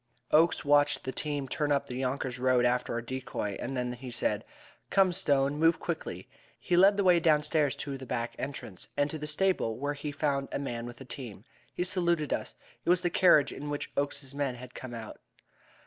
Oakes watched the team turn up the Yonkers Road after our decoy, and then he said: "Come, Stone, move quickly." He led the way downstairs to the back entrance, and to the stable, where we found a man with a team. He saluted us. It was the carriage in which Oakes's men had come out.